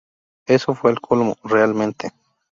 Eso fue el colmo, realmente.